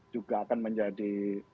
juga akan menjadi